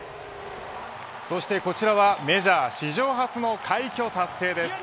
そしてこちらはメジャー史上初の快挙達成です。